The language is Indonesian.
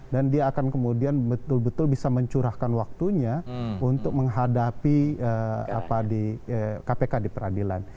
dan dia akan kemudian betul betul bisa mencurahkan waktunya untuk menghadapi kpk di peranjau